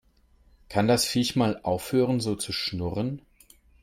Kann das Viech mal aufhören so zu schnurren?